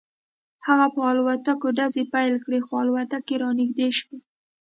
هغه په الوتکو ډزې پیل کړې خو الوتکې رانږدې شوې